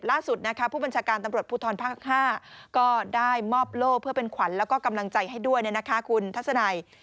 ล่าสุดผู้บัญชาการตำรวจภูทรภาค๕ก็ได้มอบโล่เพื่อเป็นขวัญแล้วก็กำลังใจให้ด้วยคุณทัศนัย